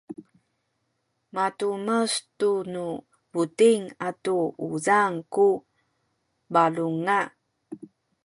matumes tu nu buting atu uzang ku balunga